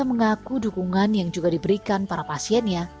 mengaku dukungan yang juga diberikan para pasiennya